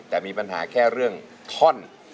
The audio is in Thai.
แต่มีปัญหาแค่เรื่องท่อน